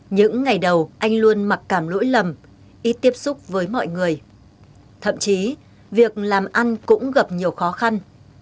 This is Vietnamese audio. những ngày đầu anh luôn mặc cảm lỗi lầm ít tiếp xúc với mọi người thậm chí việc làm ăn cũng gặp nhiều khó khăn